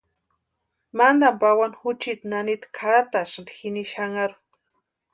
Mantani pawani juchiti nanita kʼarhatasïnti jini xanharhu.